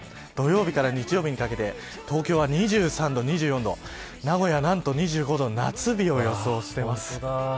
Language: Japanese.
土曜日から日曜日にかけて東京は２３度、２４度名古屋、なんと２５度夏日を予想しています。